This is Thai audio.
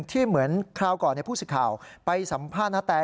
เหมือนคราวก่อนผู้สิทธิ์ข่าวไปสัมภาษณ์นาแต